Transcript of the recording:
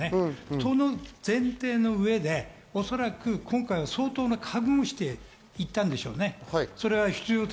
その前提の上でおそらく今回は相当な覚悟をして言ったんでしょうね。